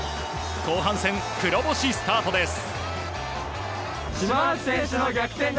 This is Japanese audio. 後半戦、黒星スタートです。